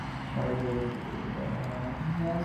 গলায় গড়ি দিয়া বৌটা মরিয়া যায় না কেন?